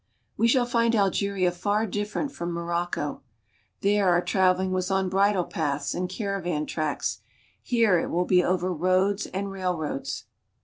We shall find Algeria far different from Morocco. There our traveling was on bridle paths and caravan tracks; here it will be over roads and railroads.